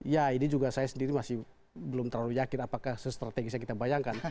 ya ini juga saya sendiri masih belum terlalu yakin apakah se strategis yang kita bayangkan